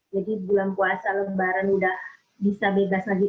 jadi bulan puasa lembaran udah bisa bebas lagi